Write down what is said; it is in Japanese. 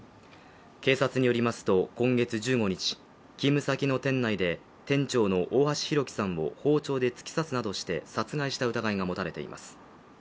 警察によりますと今月１５日、勤務先の店内で店長の大橋弘輝さんを包丁で突き刺すなどして殺害した疑いが持たれています。